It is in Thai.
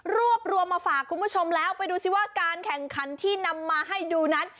รวบรวมมาฝากคุณผู้ชมแล้วไปดูสิว่าการแข่งขันที่นำมาให้ดูนั้น